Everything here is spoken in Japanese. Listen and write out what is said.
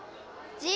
「じ」！